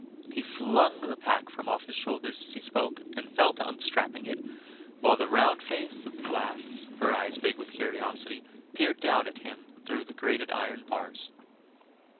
He flung the pack from off his shoulders as he spoke and fell to unstrapping it, while the round face of the lass (her eyes big with curiosity) peered down at him through the grated iron bars.